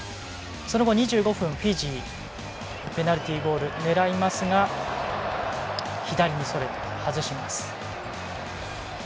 その後２５分、フィジーペナルティゴールを狙いますが左にそれて、外します。